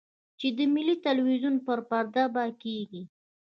چې د ملي ټلویزیون پر پرده به کېږي.